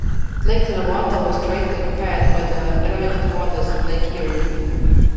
Lake Tonawanda was created and fed by the elevated waters of Lake Erie.